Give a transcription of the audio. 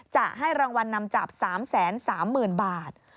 จะให้รางวัลนำจับ๓๓๐๐๐บาท